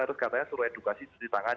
terus katanya suruh edukasi itu di tangan